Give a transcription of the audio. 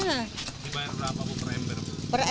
dibayar berapa bu per ember bu